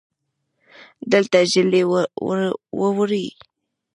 دلته ژلۍ ووري